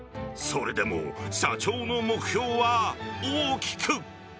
それでも、社長の目標は大きく。